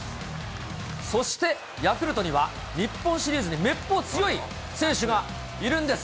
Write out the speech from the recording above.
そして、ヤクルトには、日本シリーズにめっぽう強い選手がいるんです。